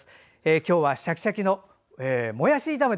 今日はシャキシャキのもやし炒め。